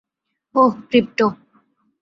ওহ, crypto!